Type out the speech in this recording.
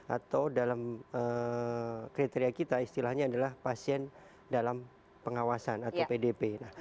atau dalam kriteria kita istilahnya adalah pasien dalam pengawasan atau pdp